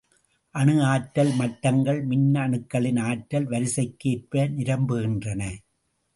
அணு ஆற்றல் மட்டங்கள் மின்னணுக்களின் ஆற்றல் வரிசைக்கு ஏற்ப நிரம்புகின்றன.